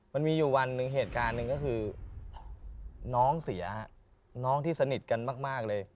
มันมีอยู่วันหนึ่งเหตุการณ์หนึ่งก็คือน้องเสียน้องที่สนิทกันมากเลย